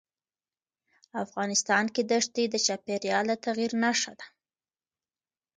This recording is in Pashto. افغانستان کې دښتې د چاپېریال د تغیر نښه ده.